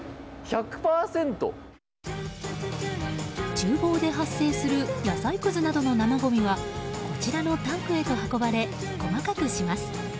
厨房で発生する野菜くずなどの生ごみはこちらのタンクへと運ばれ細かくします。